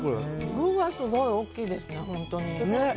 具はすごい大きいですね、本当に。